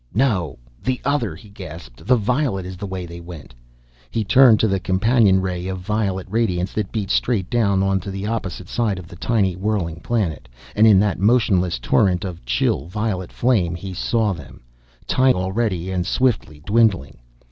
"No, the other!" he gasped. "The violet is the way they went." He turned to the companion ray of violet radiance that beat straight down on the opposite side of the tiny, whirling planet. And in that motionless torrent of chill violet flame he saw them. Tiny, already, and swiftly dwindling!